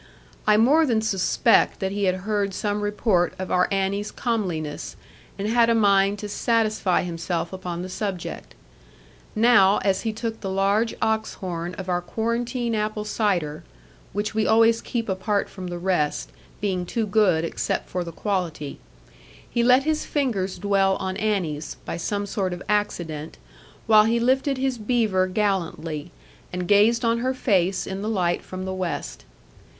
I more than suspect that he had heard some report of our Annie's comeliness, and had a mind to satisfy himself upon the subject. Now, as he took the large ox horn of our quarantine apple cider (which we always keep apart from the rest, being too good except for the quality), he let his fingers dwell on Annie's, by some sort of accident, while he lifted his beaver gallantly, and gazed on her face in the light from the west.